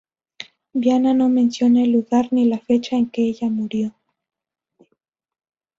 Viana no menciona el lugar ni la fecha en que ella murió.